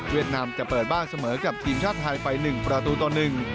เวียดนามจะเปิดบ้านเสมอกับทีมชาติไทยไปหนึ่งประตูตัวหนึ่ง